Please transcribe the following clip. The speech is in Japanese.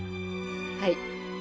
はい。